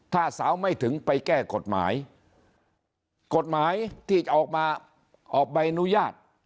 ถ้าสาวไม่ถึงไปแก้กฎหมายกฎหมายกฎหมายที่จะออกมาออกใบอนุญาต